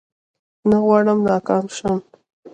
نه غواړم ناکام شم